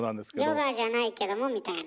ヨガじゃないけどもみたいな。